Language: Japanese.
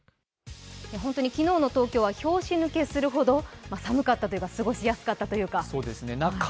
昨日の東京は拍子抜けするほど寒かったというか過ごしやすかったというか。